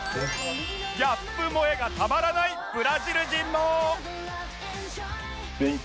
ギャップ萌えがたまらないブラジル人も